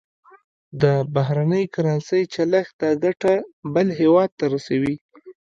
د بهرنۍ کرنسۍ چلښت دا ګټه بل هېواد ته رسوي.